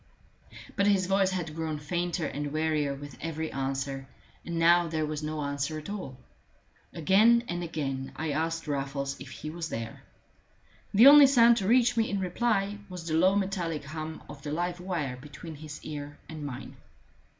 But his voice had grown fainter and wearier with every answer, and now there was no answer at all. Again and again I asked Raffles if he was there; the only sound to reach me in reply was the low metallic hum of the live wire between his ear and mine.